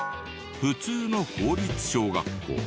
普通の公立小学校。